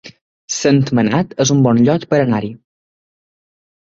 Sentmenat es un bon lloc per anar-hi